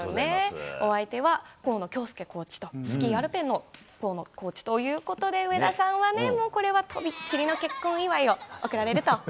お相手は河野恭介コーチと、スキーアルペンの河野コーチということで、上田さんはね、もうこれはとびっきりの結婚祝いを贈られると。